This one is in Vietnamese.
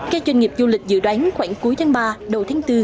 các doanh nghiệp du lịch dự đoán khoảng cuối tháng ba đầu tháng bốn